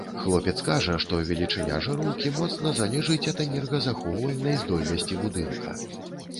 Хлопец кажа, што велічыня жыроўкі моцна залежыць ад энергазахоўвальнай здольнасці будынка.